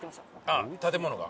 あっ建物が？